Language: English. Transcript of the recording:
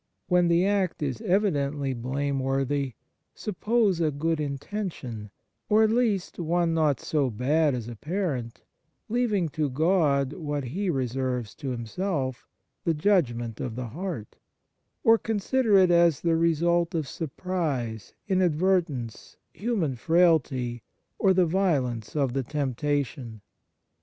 When the act is evidently blameworthy, suppose a good intention, or at least one not Fraternal Charity so bad as apparent, leaving to God what He reserves to Himself the judgment of the heart ; or consider it as the result of surprise, inadvertence, human frailty, or the violence of the temptation.